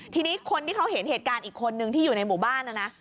ทีนี้คนที่เขาเห็นเหตุการณ์อีกคนนึงที่อยู่ในหมู่บ้านนะนะ